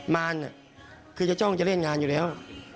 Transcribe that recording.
มารคือจะจ้องจะเล่นงานอยู่แล้ว